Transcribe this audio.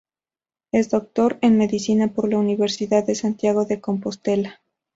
Es doctor en Medicina por la Universidad de Santiago de Compostela.